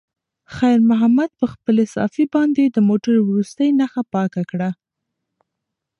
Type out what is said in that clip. خیر محمد په خپلې صافې باندې د موټر وروستۍ نښه پاکه کړه.